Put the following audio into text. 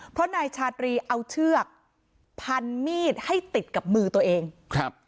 เพราะนายชาตรีเอาเชือกพันมีดให้ติดกับมือตัวเองครับ